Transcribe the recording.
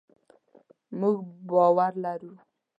مونږ باور لرو